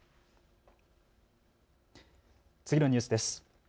次のニュースです。